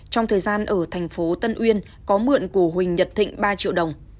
trong thời gian ở tp tân uyên có mượn của huỳnh nhật thịnh ba triệu đồng